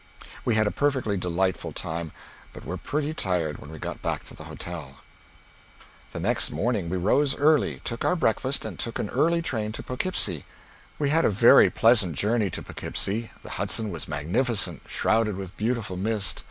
We had a perfectly delightful time, but weer pretty tired when we got back to the hotel. The next morning we rose early, took our breakfast and took an early train to Poughkeepsie. We had a very pleasant journey to Poughkeepsie. The Hudson was magnificent shrouded with beautiful mist.